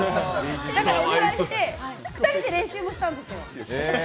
だからお願いして、２人で練習もしたんですよ。